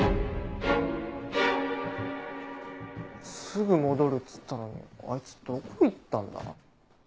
すぐ戻るっつったのにあいつどこ行ったんだ？